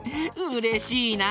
うれしいな！